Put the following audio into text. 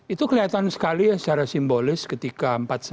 itu kelihatan sekali ya secara simbolis ketika empat sebelas